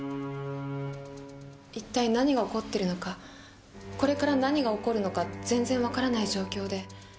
一体何が起こってるのかこれから何が起こるのか全然わからない状況で。